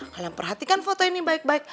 kalau perhatikan foto ini baik baik